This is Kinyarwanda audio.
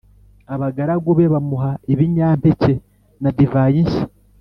Abgaragu be bamuha ibinyampeke na divayi nshya